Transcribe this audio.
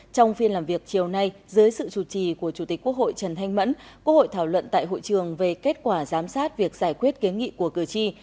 trong phiên làm việc chiều nay dưới sự chủ trì của chủ tịch quốc hội trần thanh mẫn quốc hội thảo luận tại hội trường về kết quả giám sát việc giải quyết kiến nghị của cử tri